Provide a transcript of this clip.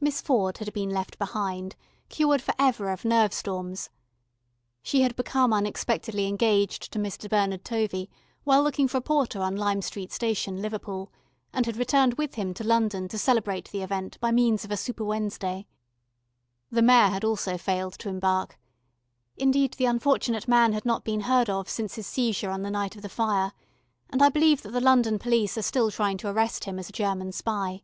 Miss Ford had been left behind, cured for ever of nerve storms. She had become unexpectedly engaged to Mr. Bernard Tovey while looking for a porter on Lime Street Station, Liverpool, and had returned with him to London to celebrate the event by means of a Super Wednesday. The Mayor also had failed to embark. Indeed the unfortunate man had not been heard of since his seizure on the night of the fire, and I believe that the London police are still trying to arrest him as a German spy.